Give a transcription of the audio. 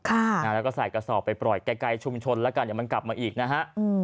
แล้วก็ใส่กระสอบไปปล่อยไกลชุมชนแล้วกันเดี๋ยวมันกลับมาอีกนะฮะ